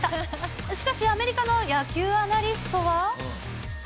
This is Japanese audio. しかしアメリカの野球アナリストは。